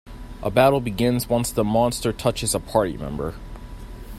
A battle begins once the monster touches a party member.